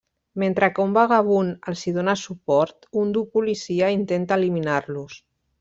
Mentre que un vagabund els hi dóna suport, un dur policia intenta eliminar-los.